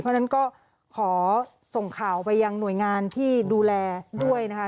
เพราะฉะนั้นก็ขอส่งข่าวไปยังหน่วยงานที่ดูแลด้วยนะคะ